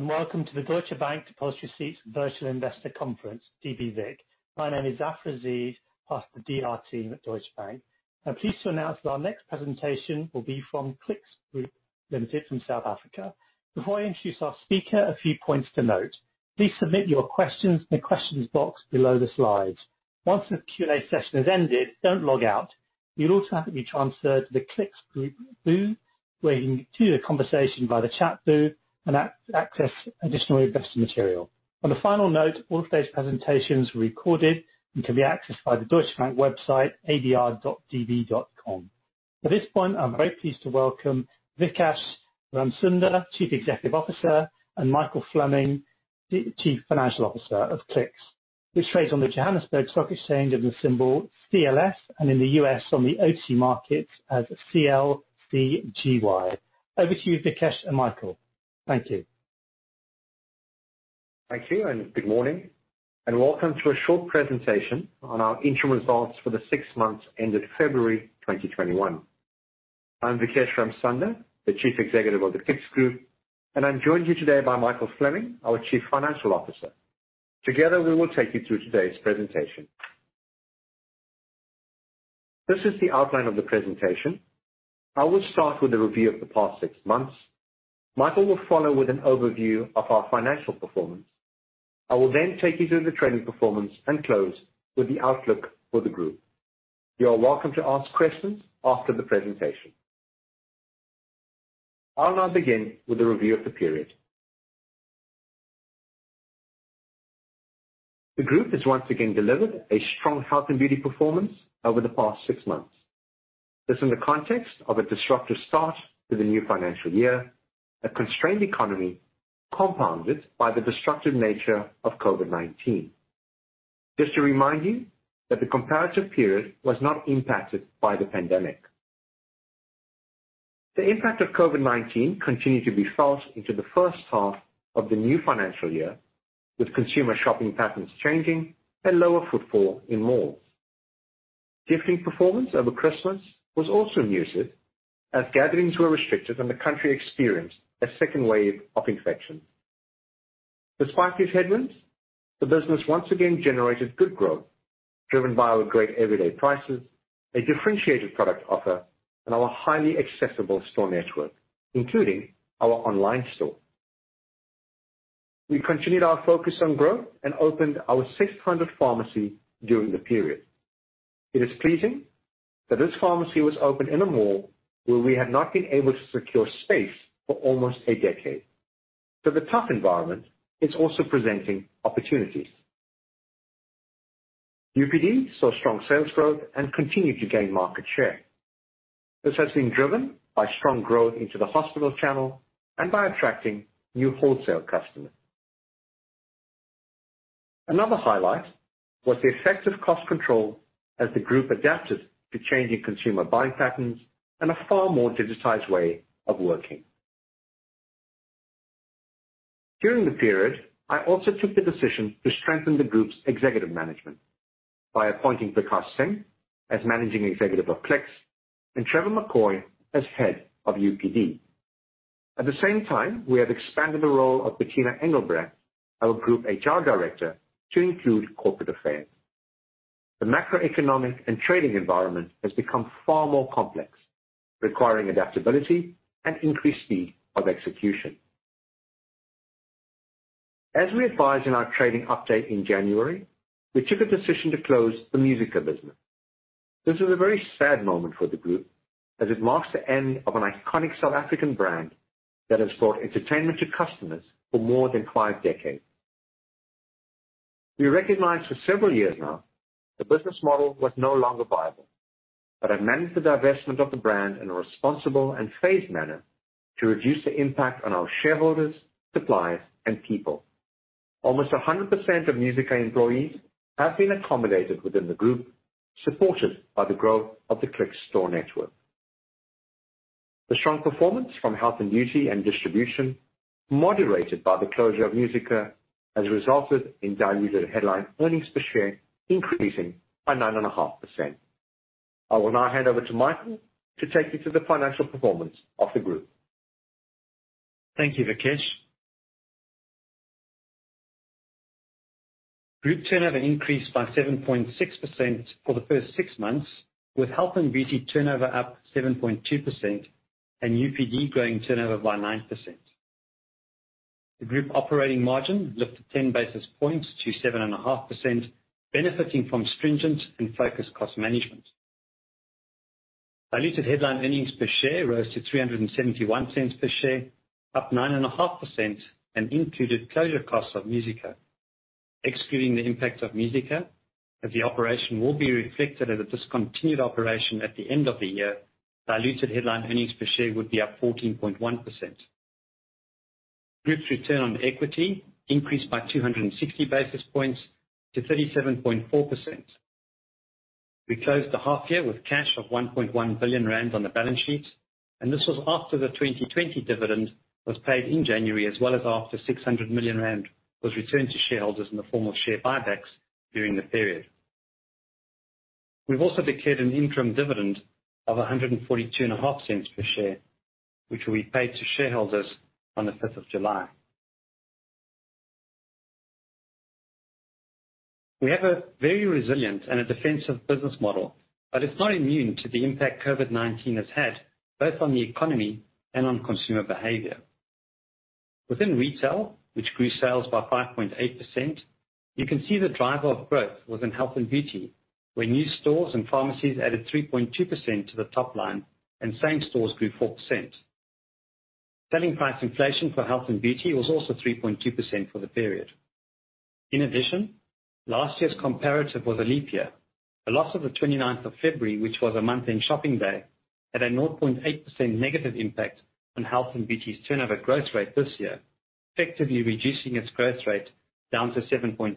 Hello, and welcome to the Deutsche Bank Depositary Receipts Virtual Investor Conference, DBVIC. My name is Afra Zeid, part of the DR team at Deutsche Bank. I am pleased to announce that our next presentation will be from Clicks Group Limited from South Africa. Before I introduce our speaker, a few points to note. Please submit your questions in the questions box below the slides. Once the Q&A session has ended, don't log out. You will automatically be transferred to the Clicks Group booth where you can continue the conversation via the chat booth and access additional investor material. On a final note, all today's presentations were recorded and can be accessed via the Deutsche Bank website, adr.db.com. At this point, I'm very pleased to welcome Vikesh Ramsunder, Chief Executive Officer, and Michael Fleming, the Chief Financial Officer of Clicks, which trades on the Johannesburg Stock Exchange under the symbol CLS and in the U.S. on the OTC Markets as CLCGY. Over to you, Vikesh and Michael. Thank you. Thank you, and good morning, and welcome to a short presentation on our interim results for the six months ended February 2021. I'm Vikesh Ramsunder, the Chief Executive of the Clicks Group, and I'm joined here today by Michael Fleming, our Chief Financial Officer. Together, we will take you through today's presentation. This is the outline of the presentation. I will start with a review of the past six months. Michael will follow with an overview of our financial performance. I will then take you through the trading performance and close with the outlook for the group. You are welcome to ask questions after the presentation. I'll now begin with a review of the period. The group has once again delivered a strong health and beauty performance over the past six months. This in the context of a disruptive start to the new financial year, a constrained economy compounded by the destructive nature of COVID-19. Just to remind you that the comparative period was not impacted by the pandemic. The impact of COVID-19 continued to be felt into the first half of the new financial year, with consumer shopping patterns changing and lower footfall in malls. Gifting performance over Christmas was also muted, as gatherings were restricted and the country experienced a second wave of infection. Despite these headwinds, the business once again generated good growth, driven by our great everyday prices, a differentiated product offer, and our highly accessible store network, including our online store. We continued our focus on growth and opened our 600th pharmacy during the period. It is pleasing that this pharmacy was opened in a mall where we had not been able to secure space for almost a decade. The tough environment is also presenting opportunities. UPD saw strong sales growth and continued to gain market share. This has been driven by strong growth into the hospital channel and by attracting new wholesale customers. Another highlight was the effective cost control as the group adapted to changing consumer buying patterns and a far more digitized way of working. During the period, I also took the decision to strengthen the group's executive management by appointing Vikash Singh as Managing Executive of Clicks and Trevor McCoy as head of UPD. At the same time, we have expanded the role of Bertina Engelbrecht, our Group HR Director, to include corporate affairs. The macroeconomic and trading environment has become far more complex, requiring adaptability and increased speed of execution. As we advised in our trading update in January, we took a decision to close the Musica business. This is a very sad moment for the group, as it marks the end of an iconic South African brand that has brought entertainment to customers for more than five decades. We recognized for several years now the business model was no longer viable, but have managed the divestment of the brand in a responsible and phased manner to reduce the impact on our shareholders, suppliers, and people. Almost 100% of Musica employees have been accommodated within the group, supported by the growth of the Clicks store network. The strong performance from health and beauty and distribution, moderated by the closure of Musica, has resulted in diluted headline earnings per share increasing by 9.5%. I will now hand over to Michael to take you through the financial performance of the Group. Thank you, Vikesh. Group turnover increased by 7.6% for the first six months, with health and beauty turnover up 7.2% and UPD growing turnover by 9%. The group operating margin lifted 10 basis points to 7.5%, benefiting from stringent and focused cost management. Diluted headline earnings per share rose to 3.71 per share, up 9.5%, and included closure costs of Musica. Excluding the impact of Musica, as the operation will be reflected as a discontinued operation at the end of the year, diluted headline earnings per share would be up 14.1%. Group's return on equity increased by 260 basis points to 37.4%. We closed the half year with cash of 1.1 billion rand on the balance sheet. This was after the 2020 dividend was paid in January, as well as after 600 million rand was returned to shareholders in the form of share buybacks during the period. We've also declared an interim dividend of 1.425 per share, which will be paid to shareholders on the 5th of July. We have a very resilient and a defensive business model. It's not immune to the impact COVID-19 has had both on the economy and on consumer behavior. Within retail, which grew sales by 5.8%, you can see the driver of growth was in health and beauty, where new stores and pharmacies added 3.2% to the top line and same stores grew 4%. Selling price inflation for health and beauty was also 3.2% for the period. In addition, last year's comparative was a leap year. The loss of the 29th of February, which was a month-end shopping day, had a 0.8% negative impact on health and beauty's turnover growth rate this year, effectively reducing its growth rate down to 7.2%.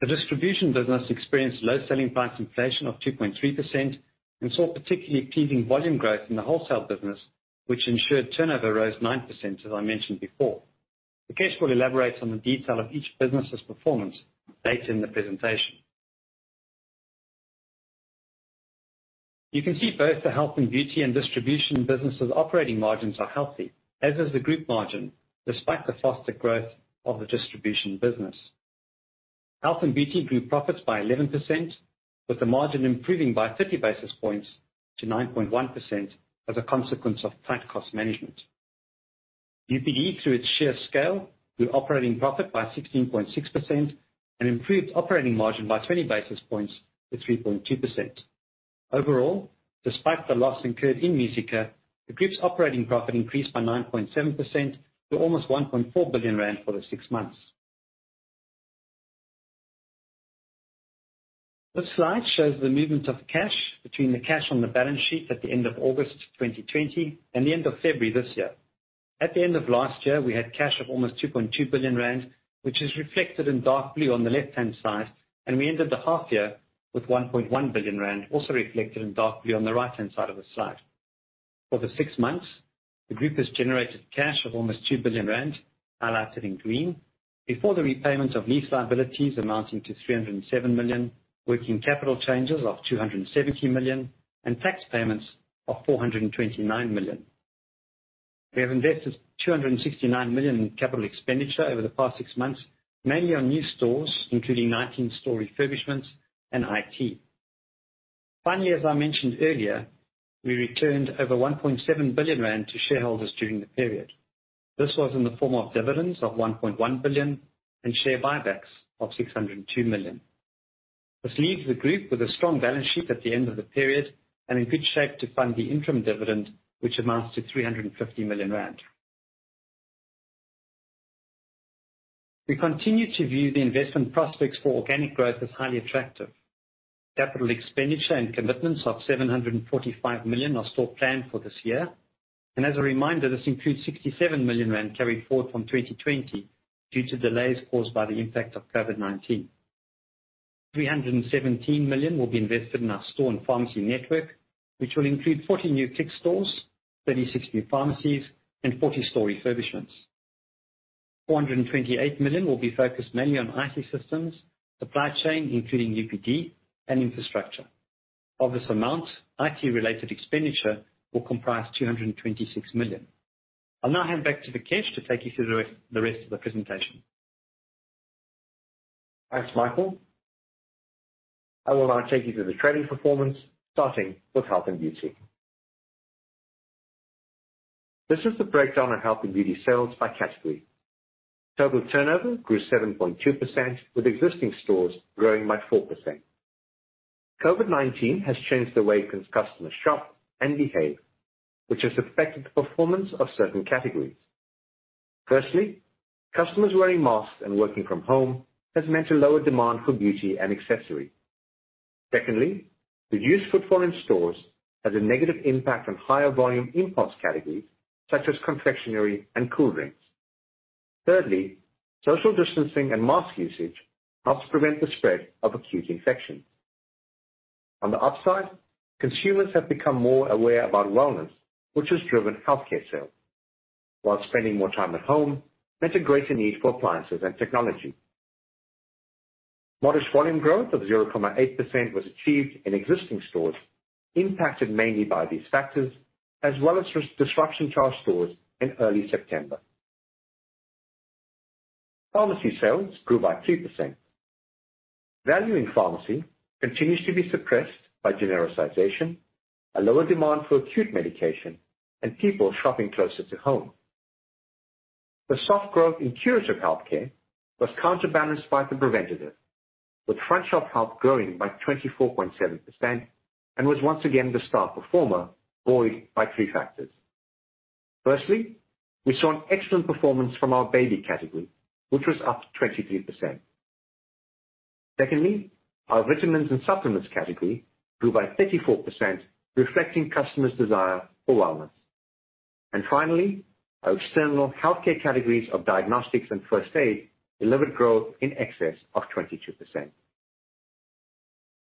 The distribution business experienced low selling price inflation of 2.3% and saw particularly pleasing volume growth in the wholesale business, which ensured turnover rose 9%, as I mentioned before. Vikesh will elaborate on the detail of each business's performance later in the presentation. You can see both the health and beauty and distribution businesses' operating margins are healthy, as is the group margin, despite the faster growth of the distribution business. Health and beauty grew profits by 11%, with the margin improving by 50 basis points to 9.1% as a consequence of tight cost management. UPD, through its sheer scale, grew operating profit by 16.6% and improved operating margin by 20 basis points to 3.2%. Overall, despite the loss incurred in Musica, the group's operating profit increased by 9.7% to almost 1.4 billion rand for the six months. This slide shows the movement of cash between the cash on the balance sheet at the end of August 2020 and the end of February this year. At the end of last year, we had cash of almost 2.2 billion rand, which is reflected in dark blue on the left-hand side, and we ended the half year with 1.1 billion rand, also reflected in dark blue on the right-hand side of the slide. For the six months, the group has generated cash of almost 2 billion rand, highlighted in green, before the repayments of lease liabilities amounting to 307 million, working capital changes of 270 million, and tax payments of 429 million. We have invested 269 million in capital expenditure over the past six months, mainly on new stores, including 19 store refurbishments, and IT. Finally, as I mentioned earlier, we returned over 1.7 billion rand to shareholders during the period. This was in the form of dividends of 1.1 billion and share buybacks of 602 million. This leaves the group with a strong balance sheet at the end of the period and in good shape to fund the interim dividend, which amounts to 350 million rand. We continue to view the investment prospects for organic growth as highly attractive. Capital expenditure and commitments of 745 million are still planned for this year. As a reminder, this includes 67 million rand carried forward from 2020 due to delays caused by the impact of COVID-19. 317 million will be invested in our store and pharmacy network, which will include 40 new Clicks stores, 36 new pharmacies, and 40 store refurbishments. 428 million will be focused mainly on IT systems, supply chain, including UPD, and infrastructure. Of this amount, IT-related expenditure will comprise 226 million. I'll now hand back to Vikesh to take you through the rest of the presentation. Thanks, Michael. I will now take you through the trading performance, starting with health and beauty. This is the breakdown of health and beauty sales by category. Total turnover grew 7.2%, with existing stores growing by 4%. COVID-19 has changed the way customers shop and behave, which has affected the performance of certain categories. Firstly, customers wearing masks and working from home has meant a lower demand for beauty and accessories. Secondly, reduced footfall in stores has a negative impact on higher volume impulse categories such as confectionery and cool drinks. Thirdly, social distancing and mask usage helps prevent the spread of acute infections. On the upside, consumers have become more aware about wellness, which has driven healthcare sales, while spending more time at home meant a greater need for appliances and technology. Modest volume growth of 0.8% was achieved in existing stores, impacted mainly by these factors, as well as disruption to our stores in early September. Pharmacy sales grew by 2%. Value in pharmacy continues to be suppressed by genericization, a lower demand for acute medication, and people shopping closer to home. The soft growth in curative healthcare was counterbalanced by the preventative, with Front Shop Health growing by 24.7% and was once again the star performer, buoyed by three factors. Firstly, we saw an excellent performance from our baby category, which was up 23%. Secondly, our vitamins and supplements category grew by 34%, reflecting customers' desire for wellness. Finally, our external healthcare categories of diagnostics and first aid delivered growth in excess of 22%.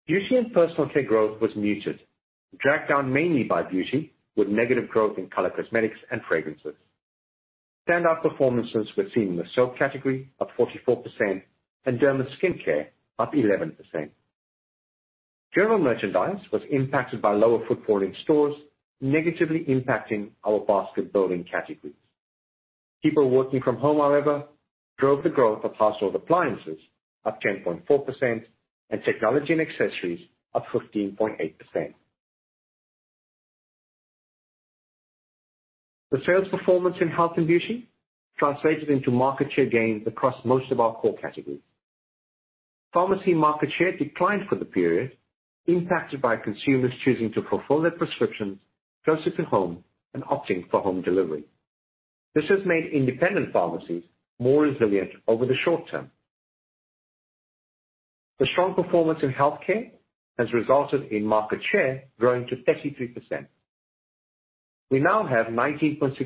Beauty and personal care growth was muted, dragged down mainly by beauty, with negative growth in color cosmetics and fragrances. Standout performances were seen in the soap category, up 44%, and derma skincare, up 11%. General merchandise was impacted by lower footfall in stores, negatively impacting our basket building categories. People working from home, however, drove the growth of household appliances, up 10.4%, and technology and accessories, up 15.8%. The sales performance in health and beauty translated into market share gains across most of our core categories. Pharmacy market share declined for the period, impacted by consumers choosing to fulfill their prescriptions closer to home and opting for home delivery. This has made independent pharmacies more resilient over the short term. The strong performance in healthcare has resulted in market share growing to 33%. We now have 19.6%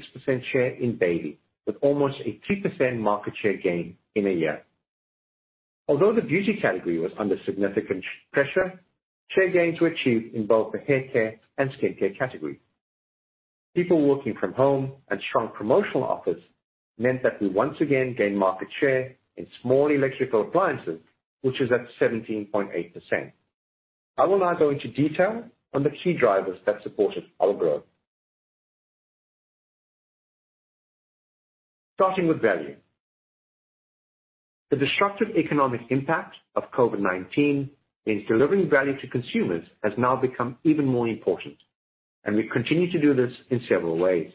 share in baby, with almost a 3% market share gain in a year. Although the beauty category was under significant pressure, share gains were achieved in both the haircare and skincare categories. People working from home and strong promotional offers meant that we once again gained market share in small electrical appliances, which is at 17.8%. I will now go into detail on the key drivers that supported our growth. Starting with value. The disruptive economic impact of COVID-19 means delivering value to consumers has now become even more important, and we continue to do this in several ways.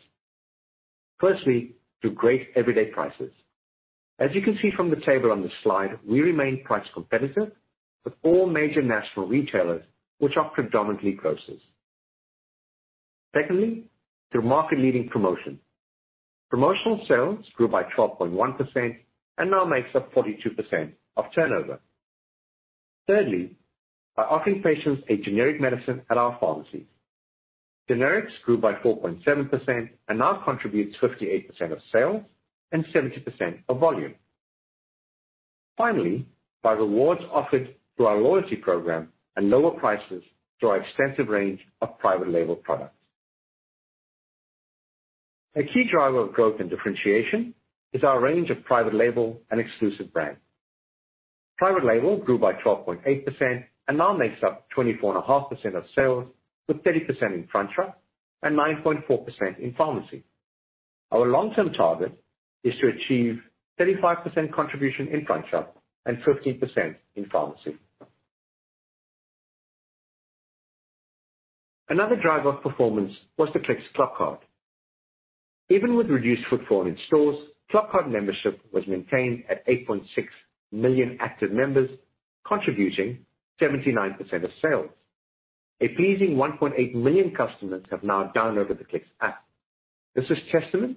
Firstly, through great everyday prices. As you can see from the table on this slide, we remain price competitive with all major national retailers, which are predominantly grocers. Secondly, through market-leading promotion. Promotional sales grew by 12.1% and now makes up 42% of turnover. Thirdly, by offering patients a generic medicine at our pharmacy. Generics grew by 4.7% and now contributes 58% of sales and 70% of volume. Finally, by rewards offered through our loyalty program and lower prices through our extensive range of private label products. A key driver of growth and differentiation is our range of private label and exclusive brands. Private label grew by 12.8% and now makes up 24.5% of sales, with 30% in front shop and 9.4% in pharmacy. Our long-term target is to achieve 35% contribution in front shop and 15% in pharmacy. Another driver of performance was the Clicks ClubCard. Even with reduced footfall in stores, ClubCard membership was maintained at 8.6 million active members, contributing 79% of sales. A pleasing 1.8 million customers have now downloaded the Clicks app. This is testament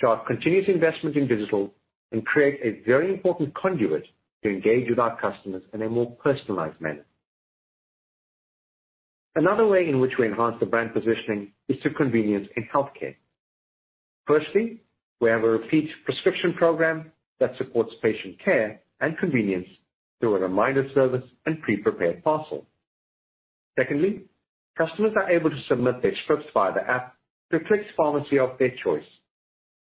to our continuous investment in digital and creates a very important conduit to engage with our customers in a more personalized manner. Another way in which we enhance the brand positioning is through convenience in healthcare. Firstly, we have a repeat prescription program that supports patient care and convenience through a reminder service and pre-prepared parcel. Secondly, customers are able to submit their scripts via the app to a Clicks Pharmacy of their choice.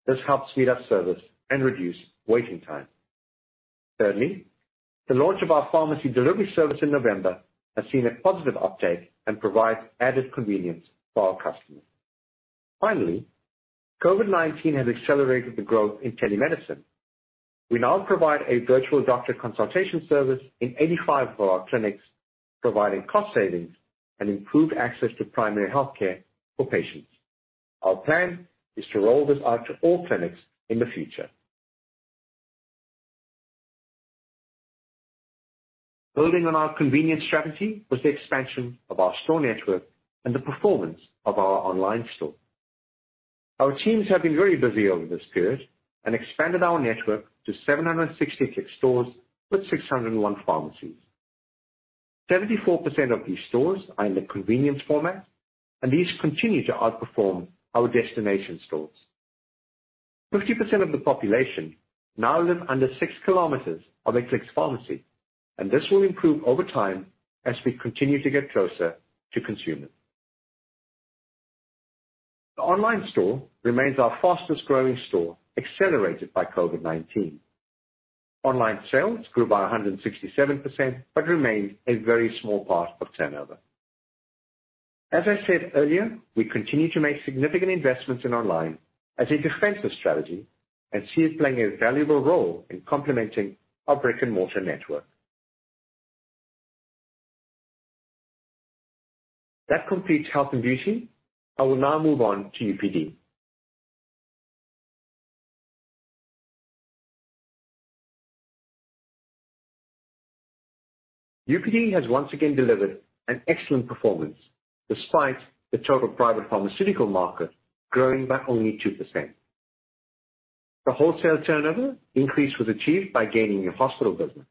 This helps speed up service and reduce waiting time. Thirdly, the launch of our pharmacy delivery service in November has seen a positive uptake and provides added convenience for our customers. Finally, COVID-19 has accelerated the growth in telemedicine. We now provide a virtual doctor consultation service in 85 of our clinics, providing cost savings and improved access to primary healthcare for patients. Our plan is to roll this out to all clinics in the future. Building on our convenience strategy was the expansion of our store network and the performance of our online store. Our teams have been very busy over this period and expanded our network to 766 stores with 601 pharmacies. 74% of these stores are in the convenience format, and these continue to outperform our destination stores. 50% of the population now live under 6 km of a Clicks Pharmacy, and this will improve over time as we continue to get closer to consumers. The online store remains our fastest-growing store, accelerated by COVID-19. Online sales grew by 167% but remained a very small part of turnover. As I said earlier, we continue to make significant investments in online as a defensive strategy and see it playing a valuable role in complementing our brick-and-mortar network. That completes health and beauty. I will now move on to UPD. UPD has once again delivered an excellent performance, despite the total private pharmaceutical market growing by only 2%. The wholesale turnover increase was achieved by gaining in hospital business.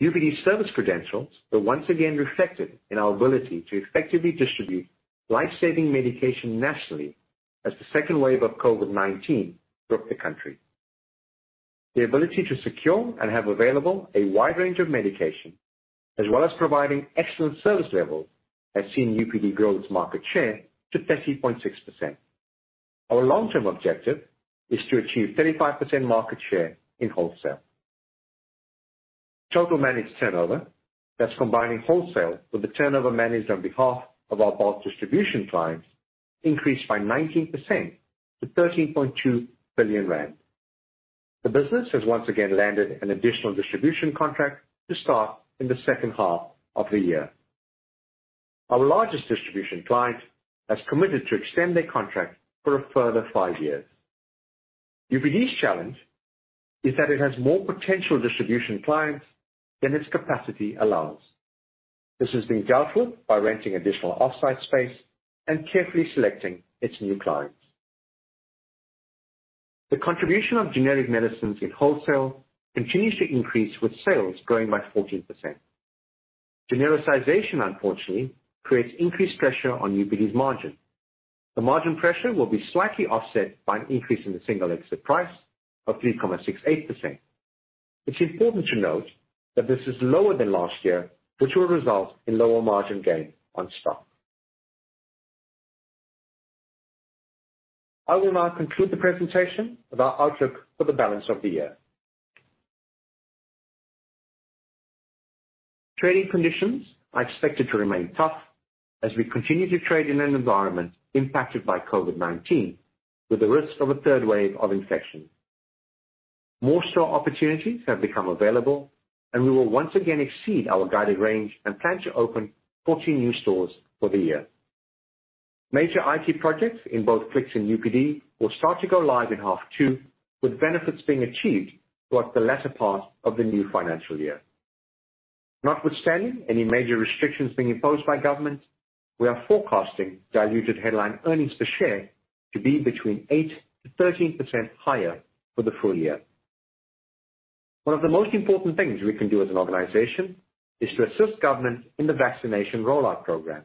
UPD service credentials were once again reflected in our ability to effectively distribute life-saving medication nationally as the second wave of COVID-19 struck the country. The ability to secure and have available a wide range of medication, as well as providing excellent service level, has seen UPD grow its market share to 30.6%. Our long-term objective is to achieve 35% market share in wholesale. Total managed turnover, that's combining wholesale with the turnover managed on behalf of our bulk distribution clients, increased by 19% to 13.2 billion rand. The business has once again landed an additional distribution contract to start in the second half of the year. Our largest distribution client has committed to extend their contract for a further five years. UPD's challenge is that it has more potential distribution clients than its capacity allows. This has been dealt with by renting additional off-site space and carefully selecting its new clients. The contribution of generic medicines in wholesale continues to increase, with sales growing by 14%. Genericization, unfortunately, creates increased pressure on UPD's margin. The margin pressure will be slightly offset by an increase in the Single Exit Price of 3.68%. It's important to note that this is lower than last year, which will result in lower margin gain on stock. I will now conclude the presentation with our outlook for the balance of the year. Trading conditions are expected to remain tough as we continue to trade in an environment impacted by COVID-19, with the risk of a third wave of infection. More store opportunities have become available, and we will once again exceed our guided range and plan to open 14 new stores for the year. Major IT projects in both Clicks and UPD will start to go live in half two, with benefits being achieved throughout the latter part of the new financial year. Notwithstanding any major restrictions being imposed by government, we are forecasting diluted headline earnings per share to be between 8%-13% higher for the full year. One of the most important things we can do as an organization is to assist government in the vaccination rollout program.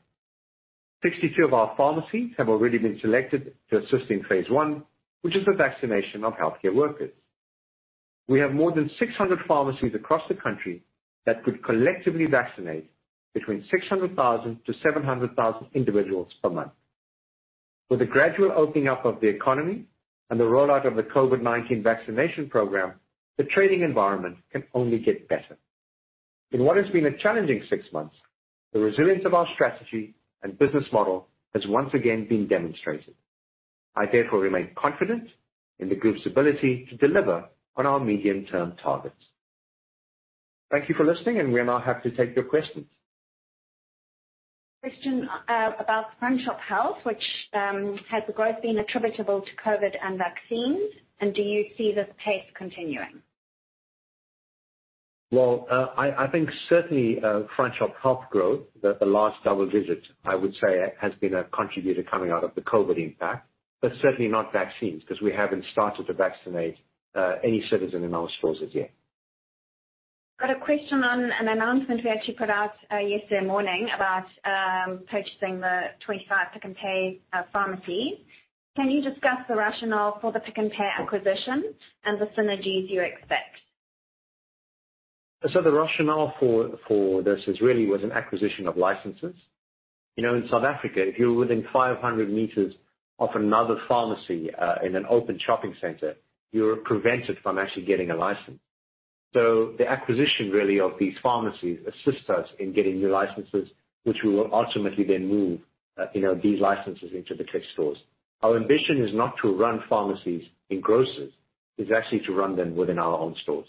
62 of our pharmacies have already been selected to assist in Phase one, which is the vaccination of healthcare workers. We have more than 600 pharmacies across the country that could collectively vaccinate between 600,000-700,000 individuals per month. With the gradual opening up of the economy and the rollout of the COVID-19 vaccination program, the trading environment can only get better. In what has been a challenging six months, the resilience of our strategy and business model has once again been demonstrated. I, therefore, remain confident in the group's ability to deliver on our medium-term targets. Thank you for listening. We are now happy to take your questions. Question about Frontshop Health, which, has the growth been attributable to COVID and vaccines, and do you see this pace continuing? Well, I think certainly, Front shop health growth at the (low double visit, I would say, has been a contributor coming out of the COVID impact, but certainly not vaccines, because we haven't started to vaccinate any citizen in our stores as yet. Got a question on an announcement we actually put out yesterday morning about purchasing the 25 Pick n Pay pharmacies. Can you discuss the rationale for the Pick n Pay acquisition and the synergies you expect? The rationale for this is really was an acquisition of licenses. In South Africa, if you're within 500 meters of another pharmacy in an open shopping center, you're prevented from actually getting a license. The acquisition, really, of these pharmacies assists us in getting new licenses, which we will ultimately then move these licenses into the Clicks stores. Our ambition is not to run pharmacies in grocers, it's actually to run them within our own stores.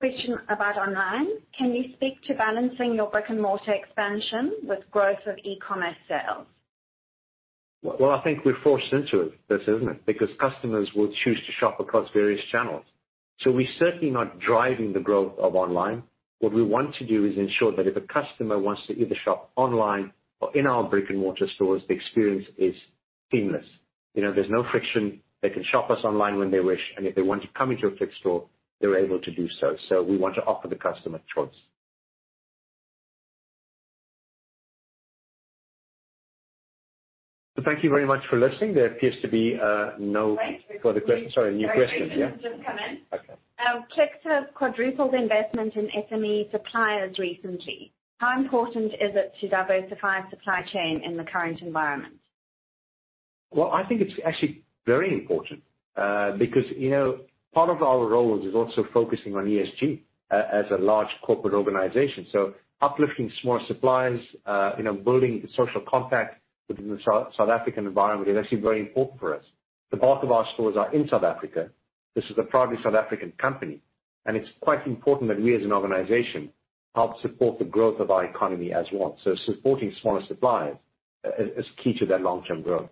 Question about online. Can you speak to balancing your brick-and-mortar expansion with growth of e-commerce sales? Well, I think we're forced into this, isn't it? Because customers will choose to shop across various channels. We're certainly not driving the growth of online. What we want to do is ensure that if a customer wants to either shop online or in our brick-and-mortar stores, the experience is seamless. There's no friction. They can shop us online when they wish, and if they want to come into a Clicks store, they're able to do so. We want to offer the customer choice. Thank you very much for listening. There appears to be no further questions. Sorry, a new question. Just come in. Okay. Clicks have quadrupled investment in SME suppliers recently. How important is it to diversify supply chain in the current environment? Well, I think it's actually very important. Part of our role is also focusing on ESG as a large corporate organization. Uplifting smaller suppliers, building social compact within the South African environment is actually very important for us. The bulk of our stores are in South Africa. This is a proudly South African company, and it's quite important that we as an organization help support the growth of our economy as one. Supporting smaller suppliers is key to their long-term growth.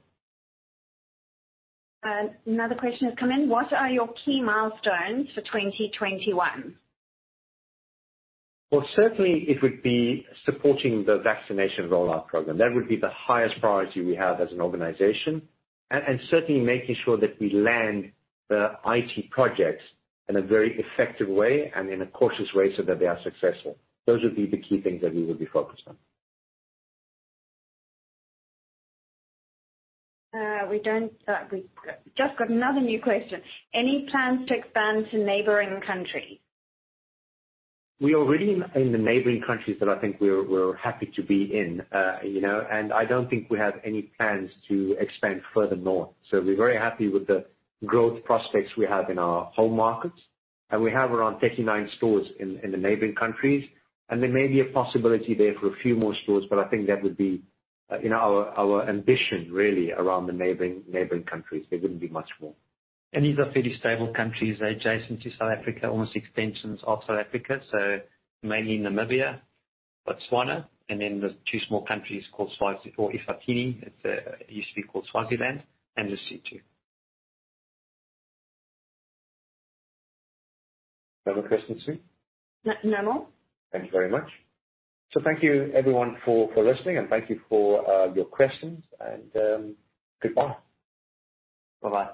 Another question has come in. What are your key milestones for 2021? Certainly it would be supporting the vaccination rollout program. That would be the highest priority we have as an organization, and certainly making sure that we land the IT projects in a very effective way and in a cautious way so that they are successful. Those would be the key things that we will be focused on. We just got another new question. Any plans to expand to neighboring countries? We are already in the neighboring countries that I think we're happy to be in. I don't think we have any plans to expand further north. We're very happy with the growth prospects we have in our home markets. We have around 39 stores in the neighboring countries, and there may be a possibility there for a few more stores, but I think that would be our ambition really around the neighboring countries. There wouldn't be much more. These are fairly stable countries adjacent to South Africa, almost extensions of South Africa, so mainly Namibia, Botswana, and then there's two small countries called Eswatini, it used to be called Swaziland, and Lesotho. No more questions, Sue? No more. Thank you very much. Thank you everyone for listening, and thank you for your questions, and goodbye. Bye-bye.